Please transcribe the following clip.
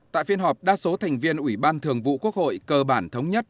tại phiên họp đa số thành viên ủy ban thường vụ quốc hội cơ bản thống nhất